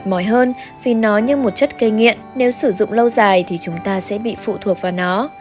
nếu chúng ta mệt mỏi hơn vì nó như một chất gây nghiện nếu sử dụng lâu dài thì chúng ta sẽ bị phụ thuộc vào nó